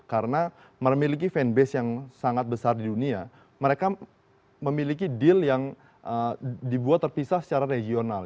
karena memiliki fanbase yang sangat besar di dunia mereka memiliki deal yang dibuat terpisah secara regional